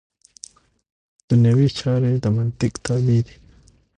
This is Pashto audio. دنیوي چارې د منطق تابع دي.